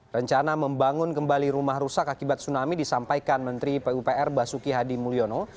rencana membangun kembali rumah rusak akibat tsunami disampaikan menteri pupr basuki hadi mulyono